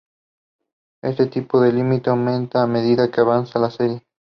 Este tiempo límite aumenta a medida que avanza la serie.